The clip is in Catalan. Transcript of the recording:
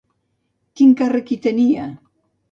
Quin càrrec hi tenia?